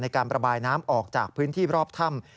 การประบายน้ำออกจากพื้นที่รอบถ้ำ